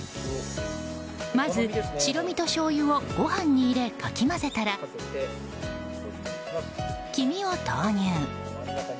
まず、白身としょうゆをご飯に入れ、かき混ぜたら黄身を投入。